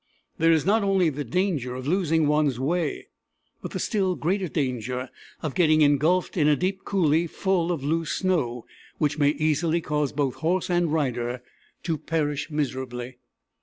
There is not only the danger of losing one's way, but the still greater danger of getting ingulfed in a deep coulée full of loose snow, which may easily cause both horse and rider to perish miserably.